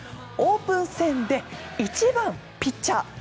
オープン戦で１番ピッチャー